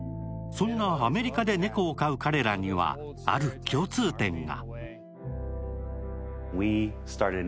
そんなアメリカで猫を飼う彼らにはある共通点が。